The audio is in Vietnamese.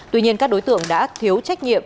tuy nhiên các đối tượng đã thiếu trách nhiệm